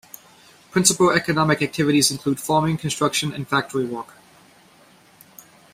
Principal economic activities include farming, construction, and factory work.